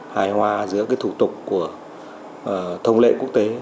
hài hòa giữa cái thủ tục của thông lệ quốc tế